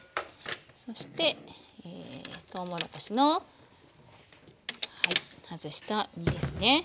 そしてとうもろこしの外した実ですね。